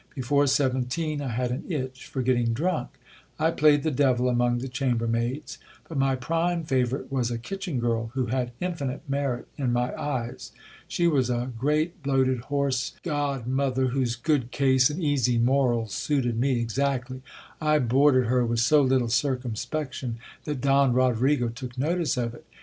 Before seventeen I had an itch for getting drank. I played the devil among the chamber maids ; but my prime favourite was a kitchen girl, who had infinite merit in my eyes. She was a great bloated horse god mother, whose good case and easy morals suited me exactly. I boarded her with so little circumspection that Don Rodrigo took notice of it.